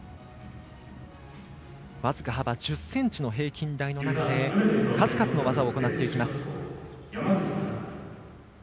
僅か幅１０ｃｍの平均台の中で数々の技を行っていきます。